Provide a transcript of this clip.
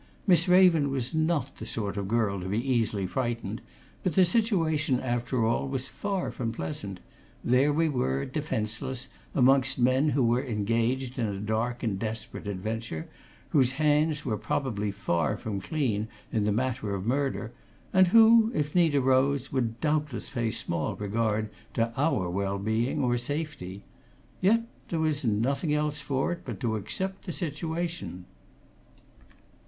Miss Raven was not the sort of girl to be easily frightened, but the situation, after all, was far from pleasant there we were, defenceless, amongst men who were engaged in a dark and desperate adventure, whose hands were probably far from clean in the matter of murder, and who, if need arose, would doubtless pay small regard to our well being or safety. Yet there was nothing else for it but to accept the situation.